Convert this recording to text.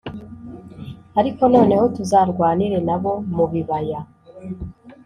Ariko noneho tuzarwanire na bo mu bibaya